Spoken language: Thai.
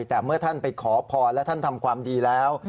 แต่เมื่อท่านไปขอพรและท่านทำความดีแล้ว